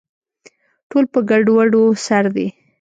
ټول په ګډووډو سر دي